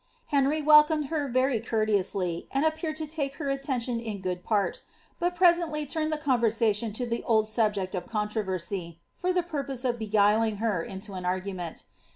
Henry welcomed her very courteously, md appeared to take lier attention in good part, but presently turned the conversation to tlie old subject of controversy, for the purpose of biyuiling her into an argument.